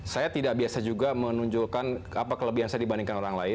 saya tidak biasa juga menunjukan apa kelebihan saya dibandingkan mereka